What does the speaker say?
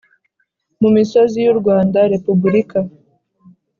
mu misozi y’u Rwanda, Repubulika